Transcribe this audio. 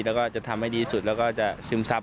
แล้วก็จะทำให้ดีสุดแล้วก็จะซึมซับ